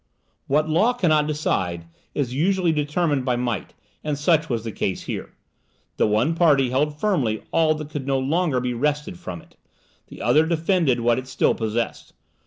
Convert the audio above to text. What law cannot decide, is usually determined by might, and such was the case here. The one party held firmly all that could no longer be wrested from it the other defended what it still possessed.